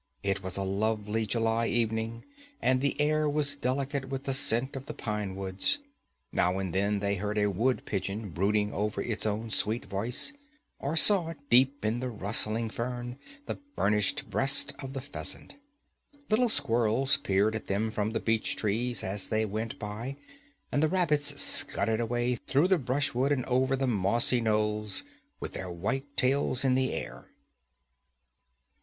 It was a lovely July evening, and the air was delicate with the scent of the pinewoods. Now and then they heard a wood pigeon brooding over its own sweet voice, or saw, deep in the rustling fern, the burnished breast of the pheasant. Little squirrels peered at them from the beech trees as they went by, and the rabbits scudded away through the brushwood and over the mossy knolls, with their white tails in the air.